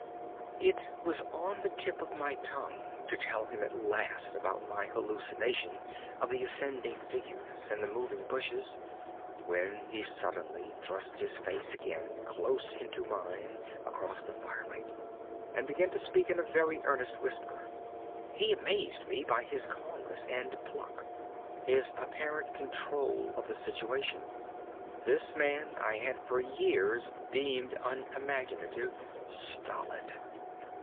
It was on the tip of my tongue to tell him at last about my hallucination of the ascending figures and the moving bushes, when he suddenly thrust his face again close into mine across the firelight and began to speak in a very earnest whisper. He amazed me by his calmness and pluck, his apparent control of the situation. This man I had for years deemed unimaginative, stolid!